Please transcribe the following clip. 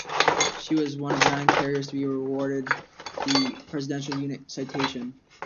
She was one of nine carriers to be awarded the Presidential Unit Citation.